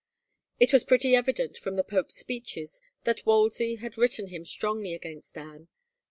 It was pretty evident from the pope's speeches that Wolsey had written him strongly against Anne.